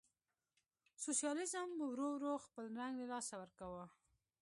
سوسیالیزم ورو ورو خپل رنګ له لاسه ورکاوه.